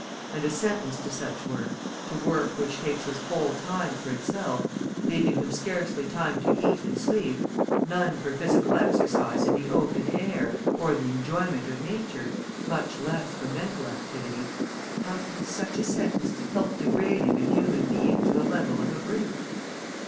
And a sentence to such work, to work which takes his whole time for itself, leaving him scarcely time to eat and sleep, none for physical exercise in the open air, or the enjoyment of Nature, much less for mental activity, how can such a sentence help degrading a human being to the level of a brute?